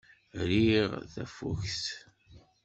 Riɣ tafukt.